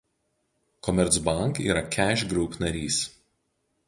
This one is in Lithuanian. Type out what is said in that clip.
Commerzbank yra Cash Group narys.